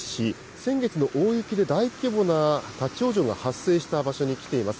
先月の大雪で大規模な立往生が発生した場所に来ています。